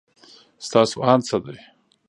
ستاسو اند څه دی؟